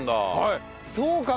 そうかも。